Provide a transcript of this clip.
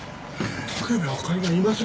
武部あかりがいませんね。